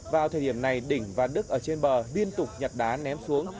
vào thời điểm này đỉnh và đức ở trên bờ liên tục nhặt đá ném xuống